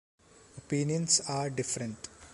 Opinions are different.